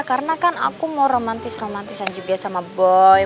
karena kan aku mau romantis romantisan juga sama boy